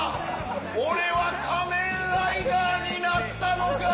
俺は仮面ライダーになったのか！